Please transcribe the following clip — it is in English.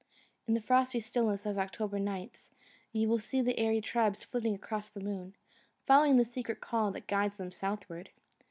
In the frosty stillness of October nights you will see the airy tribes flitting across the moon, following the secret call that guides them southward.